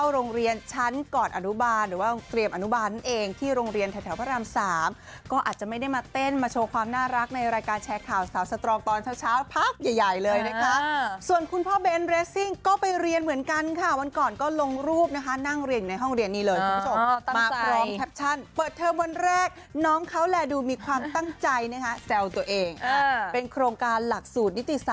โรงเรียนแถวพระราม๓ก็อาจจะไม่ได้มาเต้นมาโชว์ความน่ารักในรายการแชร์ข่าวสาวสตรองตอนเช้าพักใหญ่เลยส่วนคุณพ่อเบนเรสซิ่งก็ไปเรียนเหมือนกันค่ะวันก่อนก็ลงรูปนะคะนั่งเรียนในห้องเรียนนี้เลยมาพร้อมแคปชั่นเปิดเทิมวันแรกน้องเขาแหล่ดูมีความตั้งใจเนี่ยคะแซลตัวเองเป็นโครงการหลักสู